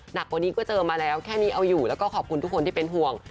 หนักกว่านี้ก็เจอมาแล้วแค่นี้เอาอยู่แล้วก็ขอบคุณทุกคนที่เป็นห่วง